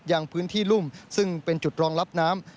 ยังพื้นที่รุ่มซึ่งเป็นจุดรองรับน้ำ